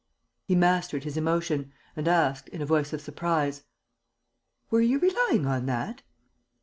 He mastered his emotion and asked, in a voice of surprise: "Were you relying on that?"